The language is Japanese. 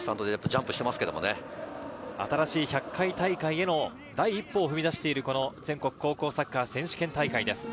新しい１００回大会への第一歩を踏み出している、この全国高校サッカー選手権大会です。